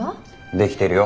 できてるよ。